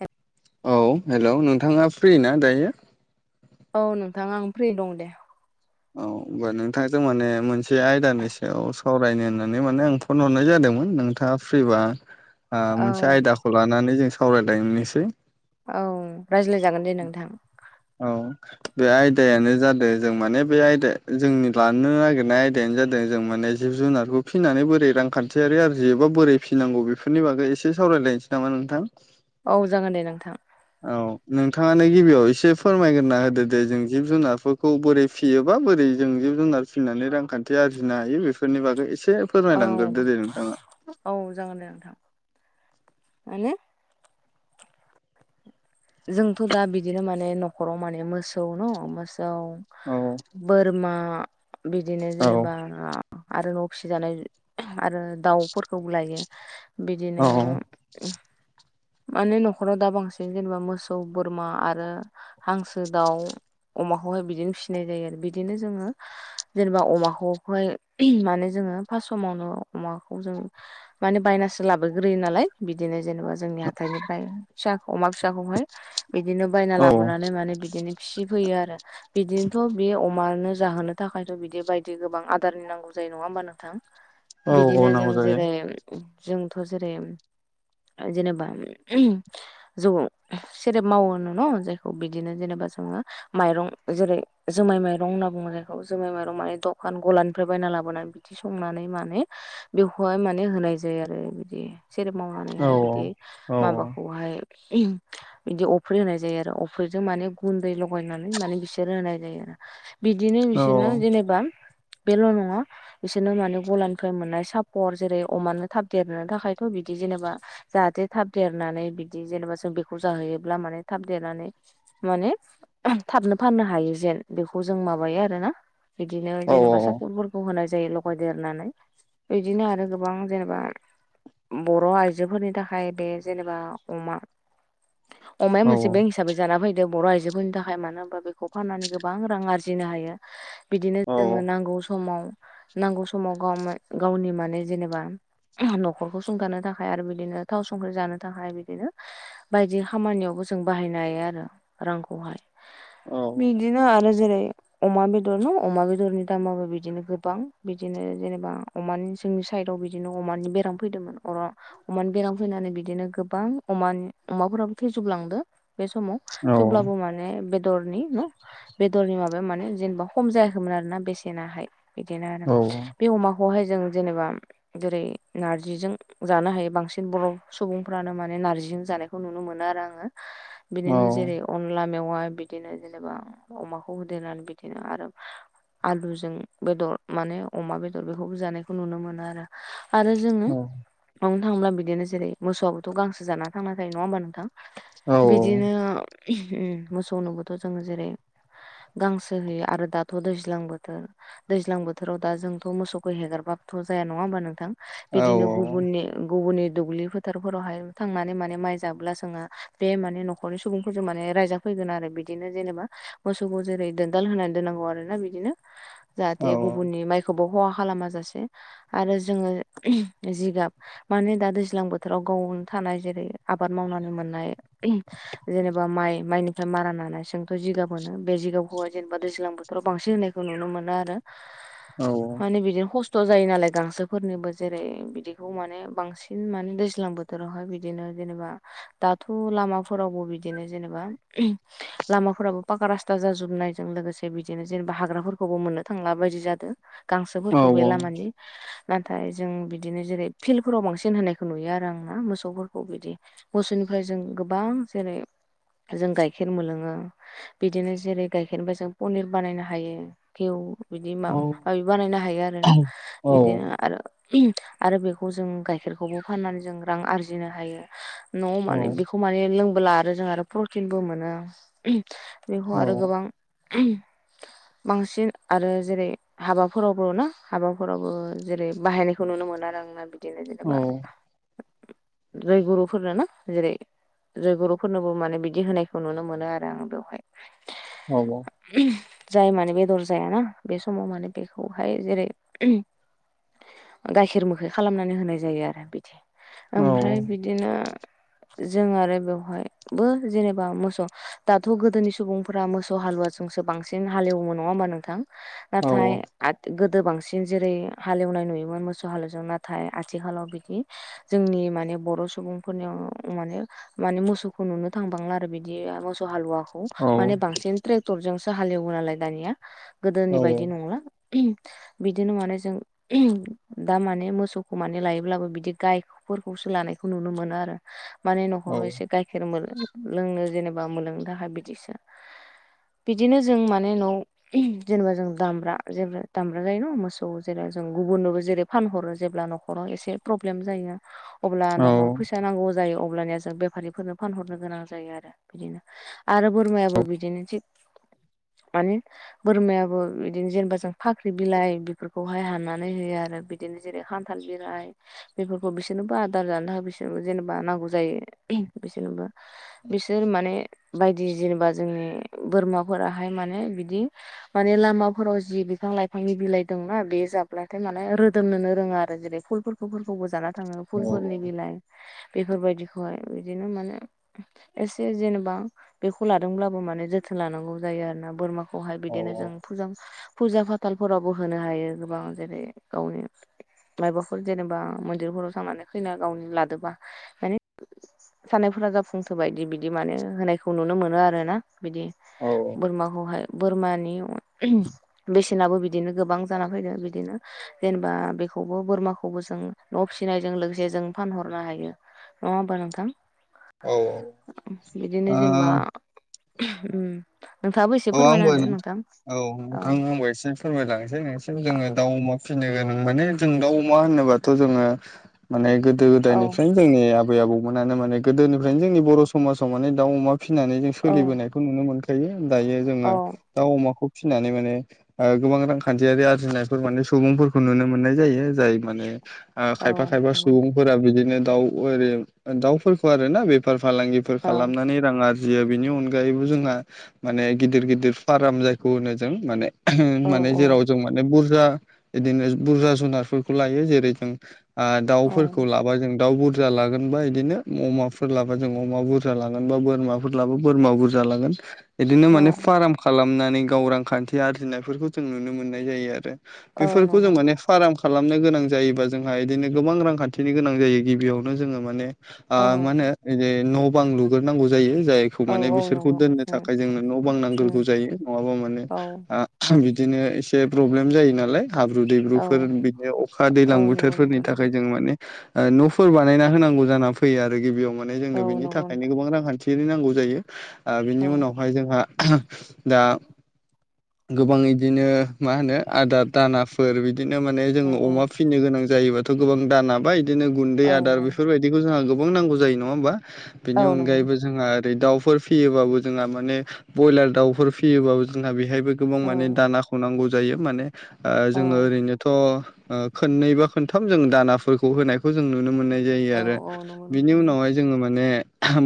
ए औ हेल' नोंथाङा फ्रि ना दायो? औ नोंथां आं फ्रि दं दे। औ होमबा नोंथांजों माने मोनसे आयदानि सायाव सावरायनो होननानै माने आं फन हरनाय जादोंमोन नोंथाङा फ्रिबा ओ औ मोनसे आयदाखौ लानानै जों सावरायलायनोसै। औ रायज्लायजागोन दे नोंथां। औ बे आयदायानो जादों जों माने बे आयदा जोंनि लानो नागिरनाय आयदायानो जादों जों माने जिब-जुनारखौ फिनानै बोरै रां खान्थियारि आरजियोबा बोरै फिनांगौ बेफोरनि बागै एसे सावरायलायनोसै नामा नोंथां। औ जागोन दे नोंथां। औ। नोंथाङानो गिबियाव एसे फोरमायग्रोना होदो दे जों जिब जुनारफोरखौ बोरै फियोबा बोरै जों जिब-जुनार फिनानै रांखान्थि आरजिनो हायो बेफोरनि बागै एसे औ फोरमायलांग्रोदो दे नोंथाङा। औ जागोन दे नोंथां। माने जोंथ' दा बिदिनो माने न'खराव माने मोसौ न' मोसौ औ बोरमा बिदिनो औ जेनेबा आरो न'फिजानाय आरो दाउफोरखौ लायो औ बिदिनो माने न'खराव दा बांसिन जेनेबा मोसौ, बोरमा आरो हांसो दाउ अमाखौहाय बिदिनो फिसिनाय जायो आरो बिदिनो जोङो जेनेबा अमाखौहाय माने जोङो फास समावनो अमाखौ जों माने बायनासो लाबोग्रोयो नालाय बिदिनो जेनेबा जोंनि हाथायनिफ्राय फिसा अमा फिसाखौहाय बिदिनो बायना औ लाबोनानै माने बिदिनो फिसिफैयो आरो बिदिनोथ' बे अमानो जाहोनो थाखायथ' बिदि बायदि गोबां आदारनि नांगौ जायो नङा होमबा नोंथां। औ औ बिदिनो जों नांगौ जायो जेरै जोंथ' जेरै जेनेबा जौ सेरेब मावोनो न' जायखौ बिदिनो जेनेबा जोङो माइरं जेरै जोमाय माइरं होनना बुङो जायखौ जोमाय माइरं माने दखान गलानिफ्राय बायना लाबोना थि संनानै माने बेखौहाय माने होनाय जायो आरो बिदि। सेरेब औ मावनानैहाय बिदि औ माबाखौहाय बिदि अफ्रि होनाय जायो आरो अफ्रिजों माने गुन्दै लगायनानै माने बिसोर होनाय जायो आरो। बिदिनो औ बिसोरनो जेनेबा बेल' नङा बिसोरनो माने गलानिफ्राय मोननाय सापर जेरै अमानो थाब देरनो थाखायथ' बिदि जेनेबा जाहाथे थाब देरनानै बिदि जेनेबा जों बेखौ जाहैयोब्ला माने थाब देरनानै माने थाबनो फाननो हायो जेन बेखौ जों माबायो आरोना। बिदिनो औ जेनेबा सापरफोर खौ होनाय जायो लगाय देरनानै बिदिनो आरो गोबां जेनेबा बर' आइजोफोरनि थाखाय बे जेनेबा अमा अमाया औ मोनसे बेंक हिसाबै जाना फैदो बर' आइजोफोरनि थाखाय मानो होनबा बेखौ फाननानै गोबां रां आरजिनो हायो। बिदिनो औ जोङो नांगौ समाव नांगौ समाव गावमा गावनि माने जेनेबा न'खरखौ सुंथानो थाखाय आरो बिदिनो थाव संख्रि जानो थाखाय बिदिनो बायदि खामानियावबो जों बाहायनो हायो आरो रांखौहाय। औ औ बिदिनो आरो जेरै अमा बेदर न' अमा बेदरनि दामाबो बिदिनो गोबां बिदिनो जेनेबा अमानि जोंनि साइदआव बिदिनो अमानि बेराम फैदोंमोन अरा अमानि बेराम फैनानै बिदिनो गोबां अमान- अमाफोराबो थैजोबलांदो बे समाव औ थेवब्लाबो माने माने बेदरनि न' बेदरनि माबाया माने जेनेबा खम जायाखैमोन आरो ना बेसेनाहाय। बिदिनो आरो बे अमा बेखौहाय जों जेनेबा जेरै नारजिजों जानो हायो बांसिन बर' सुबुं फानो माने नारजि जानायखौ नुनो मोनो आरो आङो बिदिनो जेरै अनला मेवाय बि बिदिनो जेनेबा अमाखौ होदेरनानै बिदिनो आरो आलुजों बेदर माने अमा बेदर बेखौबो जानायखौ नुनो मोनो आरो। आरो जोंङो ननो थाङोब्ला बिदिनो जेरै मोसौआ थ गांसो जाना थांना थायो नङा होमबा नोंथां बिदिनो औ मोसौनोबोथ' जोंङो जेरै गांसो होयो आरो दाथ' दैज्लां बोथोर दैज्लां बोथोराव दा जोंथ' मोसौखौ हेगारबाथ' जाया नङा होमबा नोंथां। बिदिनो गुबुननि गुबुननि दुब्लि फोथार फोरावहाय थांनानै माने माइ जाबोब्ला जोंङो बे माने न'खरनि सुबुंफोरजों माने रायजाफैगोन आरो बिदिनो जेनेबा मोसौखौ जेरै दोनदाल होनानै दोननांगौ आरो ना बिदिनो [inaudible] जाहाथे गुबुननि माइ खौबो खहा खालामा जासे आरो जोंङो जिगाब माने दा दैज्लां बो थोराव गावनो थानाय जेरै आबाद मावनानै मोननाय जेनेबा माइ माइनि ओमफ्राय मारा नानाय जोंथ' जिगाब मोनो बे जिगाबखौवआ जेनेबा दैज्लां बोथोराव बांसिन होनायखौ नुनो मोनो आरो। [inaudible] माने बिदिनो ख्स थ जायो नालाय गांसोफोरनिबो जेरै बिदिखौ माने बांसिन माने दैज लां बोथोरावहाय बिदिनो जेनेबा दाथ' लामाफोरावबो बिदिनो जेनेबा लामाफोरावबो पाका रास ता जाजोबनायजों लोगोसे बिदिनो जेनेबा हाग्राफोरखौबो मोननो थांला बायदि जादों। गांसोफोरखौ बे लामानि नाथाय जों बिदिनो जेरै फिल्डफोराव बांसिन होनायखौ नुयो आ रां मोसौफोरखौ बिदि मोसौनिफ्राय जों गोबां जेरै जों गाइखेर मोनलोङो बिदिनो जेरै गाइखेरनिफाय जों पनिर बानायनो हायो बेव बिदि माबा माबि बानायनो हायो आरोना बिदिनो आरो आरो बेखौ जों गाइखेरखौबो फाननानै जों रां आरजिनो हायो न आव माने बेखौ खौ माने लोंबोला आरो जों आरो प्रटिनबो मोनो बेखौ आरो गोबां अम बांसिन आरो जेरै हाबाफोरावबो ना हाबाफोरावबो जेरै बाहायनायखौ नुनो मोनो आरो आंना बिदिनो जेनेबा औ जाय गुरुफोरनो ना जेरै जय गुरुफोरनोबो माने बिदि होनायखौ नुनो मोनो आरो आं बेवहाय औ औ जाय माने बेदर जायाना बे समाव माने बेखौहाय जेरै गाइखेर मोखै खालामनानै होनाय जायो आरो बिदि औ ओमफ्राय बिदिनो जों आरो बेवहायबो जेनेबा मोसौ दाथ' गोदोनि सुबुंफोरा मोसौ हालुवा जोंसो बांसिन हालेवोमो नङा होमबा नोंथां औ नाथाय गोदो बांसिन जेरै हालेवनाय नुयोमोन मोसौ हालेवनाय नाथाय आथिखालाव बिदि जोंनि माने बर' सुबुंफोरनियाव माने माने मोसौखौ नुनो थांबांला आरो बिदि मो हालुवाखौ माने बांसिन ट्रेक्टरजोंसो हालेवो नालाय दानिया औ गोदोनि बायदि नंला बिदिनो माने जों दा माने मोसौखौ माने लायोब्लाबो बिदि गाय फोरखौसो लानायखौ नुनो मोनो आरो माने औ न'खराव एसे गाइखेर लोंनो जेनेबा मोनलोंनो थाखाय बिदिसो बिदिनो जों माने न आव जेनेबा जों दामब्रा जे दामब्रा जायो न' मोसौ जेरै जों गुबुननोबो जेरै फानहरो जेब्ला न'खराव एसे प्रब्लेम जायो अब्ला न'हर फैसा नांगौ जायो अब्लानिया जों बे बेाफारिफोरनो फानहरनो गोनां जायो आरो बिदिनो आरो बोरमायाबो बिदिनो थिग माने बोरमायाबो बिदिनो जेनेबा जों फाख्रि बिलाइ बेफोरखौहाय हाननानै होयो आरो बि बिदिनो जेरै खान्थाल बिलाय बेफोर खौ बिसोरनोबो आदार जानो थाखाय बिसोरनोबो जेनेबा नांगौ जायो बिसोरनोबो बिसोर माने बायदि जेनेबा जोंनि बोरमाफोराहाय माने बिदि माने लामाफोराव जि बिफां लाइफांनि बिलाइ दंना बे जाब्लाथाय माने रोदोमनोनो रोङा आरो जेरै फुलफोरखौ फुफोरखौबो जाना थाङो औ फुलफोरनि बिलाइ बेफोरबायदिखौहाय बिदिनो माने एसे जेनेबा बेखौ लादोंब्लाबो माने जोथोन लानांगौ जायो आरो ना बोरमाखौ खौहाय बिदिनो जों फुजा फाथालफोरावबो होनो हायो गोबां जेरै गावनि मबाफोर जेनेबा मन्दिरफोराव थांनानै फैना गावनि लादोंबा माने साननायफोरा जाफुंसोोबायदि बिदि माने होनायखौ नुनो मोनो आर ना बिदि औ बोरमाखौहाय बोरमानि बेसेनाबो बिदिनो गोबां जाना फैदों बिदिनो जेनेबा बेखौबो बोरमाखौबो जों न' फिसिनायजों लोगोसे जों फानहरनो हायो नङा होमबा नोंथां औ बिदिनो जेनेबा नोंथाङाबो एसे औ फोरमायना आंबो औ होदो औ नोंथां आंबो एसे फोरमायलांनोसै नोंसोर जोङो दाउ अमा फिसिनो गोनां माने जों दाउ अमा होनोबाथ' जोङो माने गोदो औ गोदायनिफ्रायनो जोंनिसिम आबौमोनानो माने गोदोनिफ्रायनो जोंनि बर' समाजाव माने दाउ अमा फिसिनानै जों औ सोलिबोनायखौ नुनो मोनखायो दायो जोङो औ दाउ अमाखौ फिसिनानै माने गोबां रांखान्थियारि आरजिनायफोर माने सुबुंफोरखौ नुनो मोननाय जायो जाय माने औ खायफा खायफा नंगौ नोंथां सुबुंफोरा बिदिनो दाउ ओरै दाउफोरखौ आर ना बेफार फालांगि फोर खालामनानै रां आरजियो बेनि अनगायैबो जोंहा माने गिदिर गिदिर फार्म जायखौ होनो जों माने औ माने जेराव जों माने बुरजा बिदिनो बुरजा जुनारफोरखौ लायो जेरै जों ओ औ दाउफोरखौ लाबा जों दाउा बुरजा लागोनबा बिदिनो अमाफोर लाबा जों अमा बुरजा लागोन बा बोरमाफोर लाबा बोरमा बुरजा लागोन बिदिनो औ माने फार्म खालामनानै गाव रांखान्थि आरजिनायफोरखौ जों नुनो मोननाय जायो आरो औ बेफोरखौ जों नंगौ माने फार्म खालामनो गोनां जायोबा जोंहा बिदिनो गोबां रांखान्थिनि गोनां जायो गिबियावनो जोङो माने औ आ मा होनो न' बां लुगोरोनांगौ जायो जाय औ माने औ बिसोरखौ नंगौ दोननो थाखाय उम जोंनो न' बां नांग्रोगौ उम जायो नङाबा माने औ बिदिनो एसे प्रब्लेम जायो नालाय हाब्रु औ दैब्रुफोर बिदिनो अखा दैलां औ नंगौ बोथोरफोरनि नोंथां थाखाय नंगौ जों माने ओ न'फोर बानायना होनांगौ जाना फैयो आरो गिबियाव माने औ जोंनो बिनि नंगौ थाखायनो नोंथां गोबां रांखान्थि थिनि नांगौ जायो ओ बिनि औ उनाव जोंहा दा गोबां इदिनो मा होनो आदार दाना फोर बिदिनो माने औ जोङो अमा फिनो गोनां जायोबाथ' गोबां दाना बाय बिदिनो गुन्दै औ आदार बेफोरबायदिखौ जोंहा गोबां नांगौ जायो नङा होमबा? बेनि औ नंगौ अनगायैबो नोंथां जोंहा ओरै दाउफोर फियोबाबो जोंहा माने ब्रयलार दाउफोर फियोबाबो जोंहा बेहायबो गोबां माने औ दानाखौ नांगौ जायो माने ओ औ जोङो ओरैनोथ' ओ खननै बा खनथाम जों दानाफोरखौ होनायखौ जों नुनो मोननाय जायो औ आरो औ नंगौ बिनि नोंथां नंगौ उनावहाय जोङो माने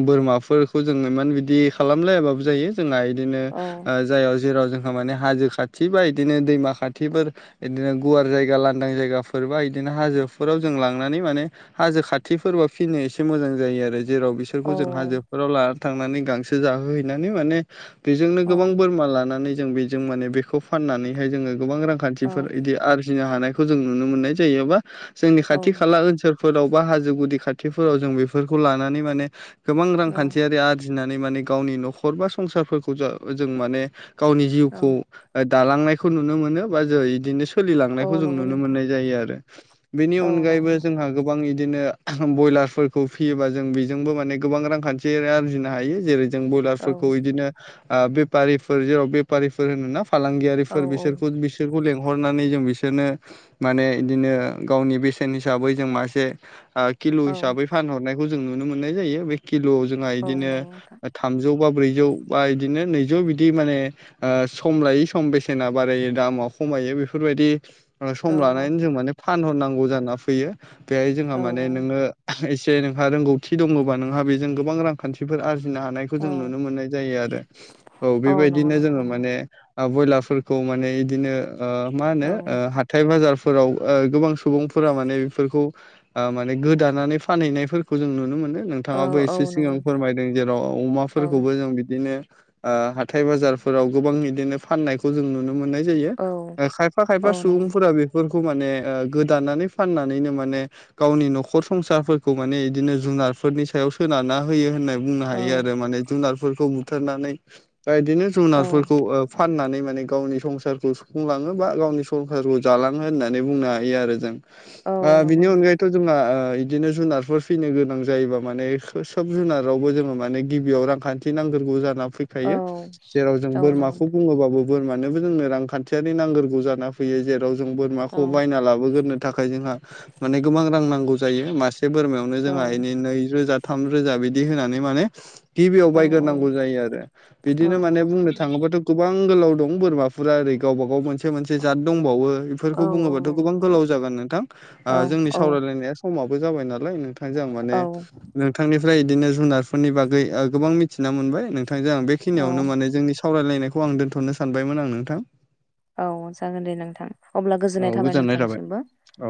बोरमाफोरखौ जोंङो इमान बिदि खालामलायाबाबो जायो जोंहा इदिनो औ ओ जाय जेराव जोंहा माने हाजो खाथि बा इदिनो दैमा खाथिफोर बिदिनो गुवार जायगा लांदां जायगाफोरबा बिदिनो हाजोफोराव जों लांनानै माने हाजो खाथिफोरबो फिनो एसे मोजां जायो आरो जेराव औ बिसोरखौ जों हाजोफोराव लानानै थांनानै गांसो जाहोहैनानै माने बेजोंनो औ गोबां बोरमा लानानै जों बेजों माने बेखौ फाननानैहाय जोङो गोबां औ रांखान्थिफोर इदि आरजिनो हानायखौ जों नुनो मोननाय जायो बा जोंनि औ खाथि खाला ओनसोलफोराव बा हाजो गुदि खाथिफोराव जों बेफोरखौ लानानै माने गोबां रांखान्थियारि आरजिनानै माने गावनि न'खर बा संसारफोरखौ जा जों माने गावनि जिउखौ औ ओ दालांनायखौ नुनो मोनो बा जो इदिनो सोलिलांनायखौ औ जों नंगौ नुनो नोंथां मोननाय जायो आरो। बेनि औ नंगौ अनगायैबो जोंहा गोबां इदिनो बयलारफोरखौ फियोबा जों बेजोंबो माने गोबां रां खान्थि आरजिनो हायो जेरै जों औ बयलारफोरखौ इदिनो ओ बेफारिफोर जेराव बेफारिफोर होनोना फालांगियारि औ बेफोर बिसोरखो बिसोरखौ लेंहरनानै जों बिसोरनो माने इदिनो गावनि बेसेन हिसाबै जों मासे आ किल' औ हिसाबै फानहरनायखौ जों नुनो मोननाय जायो बे किल'आव जोंहा औ इदिनो नंगौ नोंथां थामजौ बा ब्रैजौ बा इदिनो नैजौ बिदि माने ओ सम लायै सम बेसेना बारायो दामा खमायो बेफोरबायदि ओ औ सम लानानै जों माने फानहरनांगौ जाना फैयो बेहाय जोंहा माने औ नोङो एसे से नोंहा रोंगौथि दङबा नोंहा बेजों गोबां रांखान्थिफोर आरजिनो हानाय औ जों नुनो मोननाय जायो आरो औ नंगौ बेबायदिनो जोङो नोंथां नंगौ माने ओ बयलारफोरखौ माने इदिनो ओ मा औ होनो ओ हाथाय बाजार फोराव ओ गोबां सुबुंफोरा माने बेफोरखौ ओ माने गोदानानै फानहैनायफोरखौ जों नुनो मोनो नों औ थाङाबो औ एसे सिगां नंगौ नोंथां फोरमायदों जेराव अमा औ जों बिदिनो ओ हाथाय बाजारफोराव गोबां इदिनो फाननाय खौ जों नुनो मोननाय जायो औ ओ खायफा खायफा औ नंगौ नोंथां सुबुंफोरा बे फोरखौ माने ओ गोदानानै फाननानैनो माने गावनि न'खर संसारफोरखौ माने इदिनो जुनारफोरनि सायाव सोनारना होयो होननाय बुंनो औ हायो आरो माने जुनारफोरखौ बुथारनानै बा इदिनो जुनारफोरखौ औ ओ फाननानै माने गावनि संसारखौ सुफुंलाङो बा गावनि संसारखौ जालाङो होननानै बुंनो हायो आरो जों। औ ओ नंगौ बिनि नोंथां अनगायै थ' जोंहा ओ इदिनो जुनारफोर फिनो गोनां जायोबा माने सब जुनारावबो जोङो माने गिबियाव रां खान्थि नांगोरगौ जाना औ फैफायो जेराव जों औ नंगौ बोरमाखौ नोंथां बुङोबाबो बोरमानोबो जोंनो रांखान्थियारि नांगोरगौ जाना फैयो जेराव जों बोरमाखौ बायना लाबोगोरनो थाखाय जोंहा माने गोबां रां नांगौ जायो मासे से बोरमायावनो औ जोंहा एनि नै रोजा थाम रोजा बिदि होनानै माने गिबियाव औ बायगोरनांगौ जायो आरो औ बिदिनो माने नंगौ बुंनो नोंथां थाङोबाथ' गोबां गोलाव दं बोरमाफोरा ओरै गावबा गाव मोनसे मोनसे जात दंबावो। औ बेफोरखौ औ बुङोबाथ' नंगौ गोबां नोंथां गोलाव जागोन नोंथां औ जोंनि औ सावरायलायनाया समाबो जाबाय नालाय नोंथां। नोंथांजों आं माने नोंथांनिफ्राय इदिनो जुनारफोरनि बागै गोबां मिथिना मोनबाय नोंथांजों आं बे औ इखिनियावनो माने जोंनि सावरायलायनायखौ आं दोन्थ'नो सानबायमोन आं नोंथां। औ जागोन दे नोंथां अब्ला गोजोननाय थाबाय नोंथांसिमबो औ।